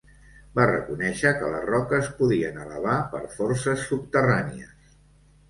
Va reconèixer que les roques podien elevar per forces subterrànies.